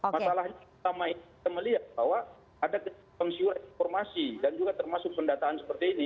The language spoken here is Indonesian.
masalahnya kita melihat bahwa ada pengsiuran informasi dan juga termasuk pendataan seperti ini